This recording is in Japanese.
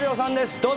どうぞ。